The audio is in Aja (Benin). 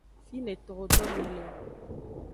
Fine towo dome le o.